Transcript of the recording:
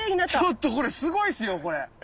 ちょっとこれすごいっすよこれ！